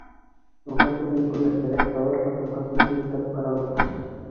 Уға тиклем күмәртәләп тауар һатыу базаһын булдырып ҡараныҡ.